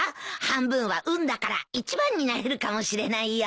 半分は運だから一番になれるかもしれないよ。